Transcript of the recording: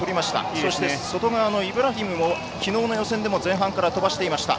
そして外側のイブラヒムもきのうの予選前半から飛ばしていました。